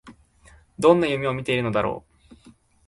どんな夢を見ているのだろう